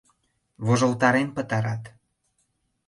Вожылтарен пытарат...